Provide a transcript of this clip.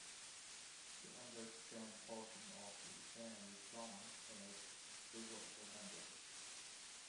The underspanned portion of the span is long and has three vertical members.